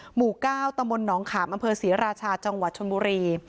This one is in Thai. หมู่๙ตำบลหนองขามอำเภอศรีราชาจังหวัดชนบุรี